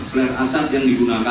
lima flare asat yang digunakan